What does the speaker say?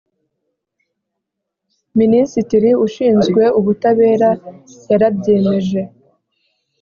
Minisitiri ushinzwe ubutabera yarabyemeje